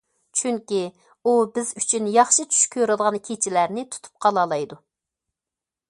چۈنكى ئۇ بىز ئۈچۈن ياخشى چۈش كۆرىدىغان كېچىلەرنى تۇتۇپ قالالايدۇ.